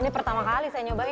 ini pertama kali saya nyobain